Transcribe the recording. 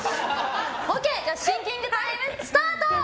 ＯＫ、シンキングタイムスタート！